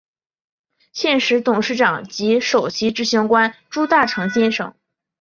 现时董事长及首席执行官朱大成先生。